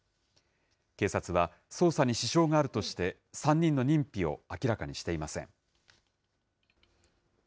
警察は、捜査に支障があるとして、３人の認否を明らかにしていません。